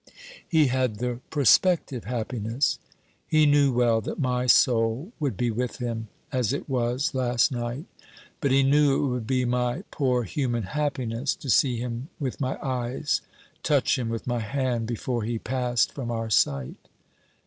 'He had the prospective happiness.' 'He knew well that my soul would be with him as it was last night. But he knew it would be my poor human happiness to see him with my eyes, touch him with my hand, before he passed from our sight.'